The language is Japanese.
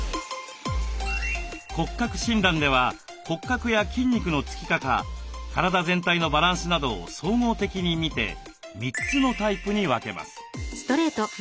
骨格診断では骨格や筋肉の付き方体全体のバランスなどを総合的に見て３つのタイプに分けます。